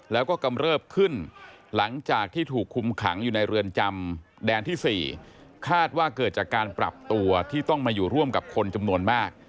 แล้วก็กำเริบขึ้นหลังจากที่ถูกคุมขังอยู่ในเรือนจำแดนที่๔คาดว่าเกิดจากการปรับตัวที่ต้องมาอยู่ร่วมกับคนจำนวนมาก